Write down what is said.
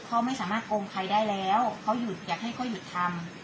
เขาไม่สามารถโกงใครได้แล้วเขาหยุดอยากให้เขาหยุดทำ